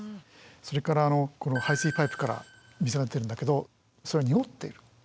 それからこの排水パイプから水が出るんだけどそれが濁っている。